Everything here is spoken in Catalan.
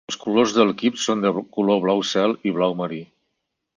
Els colors de l'equip són de color blau cel i blau marí.